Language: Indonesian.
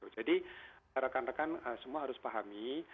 jadi rekan rekan semua harus pahami